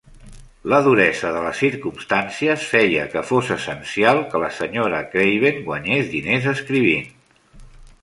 La duresa de les circumstàncies feia que fos essencial que la Sra. Craven guanyés diners escrivint.